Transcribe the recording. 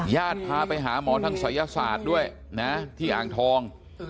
พาไปหาหมอทางศัยศาสตร์ด้วยนะที่อ่างทอง